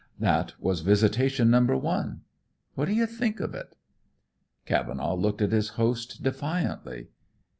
That was visitation number one. What do you think of it?" Cavenaugh looked at his host defiantly.